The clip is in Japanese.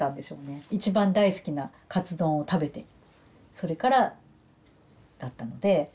一番大好きなかつ丼を食べてそれからだったので。